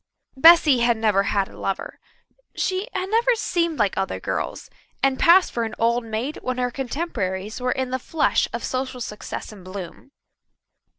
Bessy had never had a lover. She had never seemed like other girls, and passed for an old maid when her contemporaries were in the flush of social success and bloom.